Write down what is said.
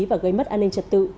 và gây mất an ninh trật tự